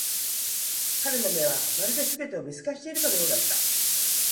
彼の目は、まるで全てを見透かしているかのようだった。